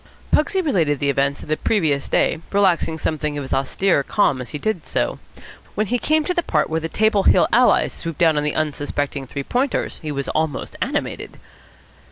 Pugsy related the events of the previous day, relaxing something of his austere calm as he did so. When he came to the part where the Table Hill allies swooped down on the unsuspecting Three Pointers, he was almost animated.